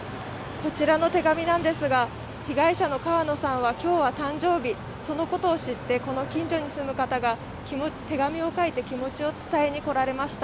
こちらの手紙なんですが、被害者の川野さんは今日が誕生日、そのことを知って、この近所に住む方が手紙を書いて気持ちを伝えに来られました。